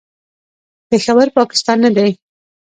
پېښور، پاکستان نه دی.